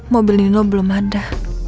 mobil ini lo belum ada